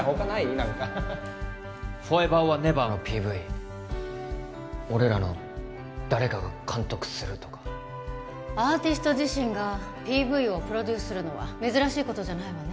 何か「ＦｏｒｅｖｅｒｏｒＮｅｖｅｒ」のＰＶ俺らの誰かが監督するとかアーティスト自身がＰＶをプロデュースするのは珍しいことじゃないわね